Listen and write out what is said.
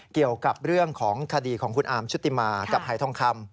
เกี่ยวกับเรื่องของคดีของคุณอาร์มชุติมากับหายทองคำ